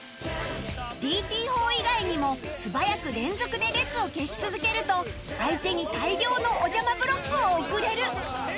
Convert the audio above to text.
ＤＴ 砲以外にも素早く連続で列を消し続けると相手に大量のおじゃまブロックを送れる